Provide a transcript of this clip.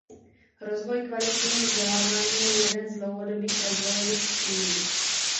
Rozvoj kvalitního vzdělávání je jeden z dlouhodobých rozvojových cílů.